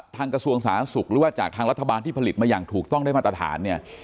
ทางกระทรวงสาธารณสุขต่อถึงจากทางรัฐบาลที่ผลิตมายังถูกต้องที่มันจะมาตรฐาน